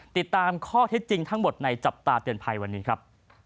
ติดตามข้อเท็จจริงทั้งหมดในจับตาเตือนภัยวันนี้ครับ